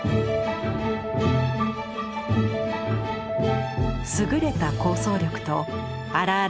優れた構想力と荒々しい筆遣い。